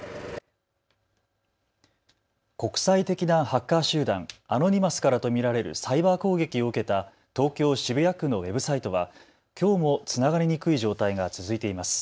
国際的なハッカー集団、アノニマスからと見られるサイバー攻撃を受けた東京渋谷区のウェブサイトはきょうもつながりにくい状態が続いています。